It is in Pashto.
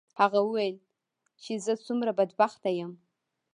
هغه وویل چې زه څومره بدبخته یم.